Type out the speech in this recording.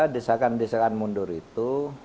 desakan desakan mundur itu